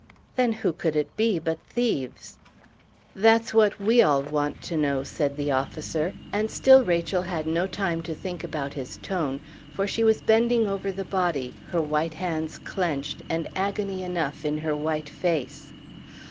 "Then who could it be but thieves?" "That's what we all want to know," said the officer; and still Rachel had no time to think about his tone; for now she was bending over the body, her white hands clenched, and agony enough in her white face.